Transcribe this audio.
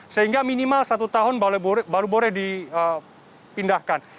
sehingga minimal satu tahun baru boleh dipindahkan